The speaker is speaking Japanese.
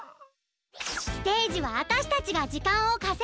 ステージはあたしたちがじかんをかせぐ。